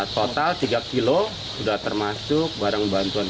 total tiga kilo sudah termasuk barang bantuan